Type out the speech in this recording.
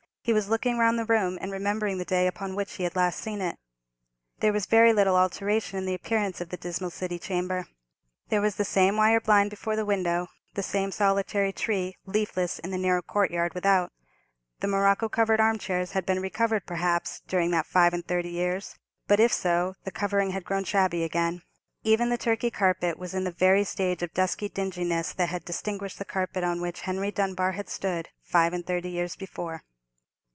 He was looking round the room, and remembering the day upon which he had last seen it. There was very little alteration in the appearance of the dismal city chamber. There was the same wire blind before the window, the same solitary tree, leafless, in the narrow courtyard without. The morocco covered arm chairs had been re covered, perhaps, during that five and thirty years; but if so, the covering had grown shabby again. Even the Turkey carpet was in the very stage of dusky dinginess that had distinguished the carpet on which Henry Dunbar had stood five and thirty years before.